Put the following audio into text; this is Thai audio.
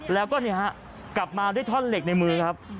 แล้วก็นี่ฮะกลับมาและทอดเหล็กในมือครับ